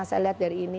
saya lihat dari ini